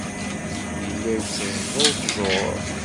Yella iteẓẓu ttjur.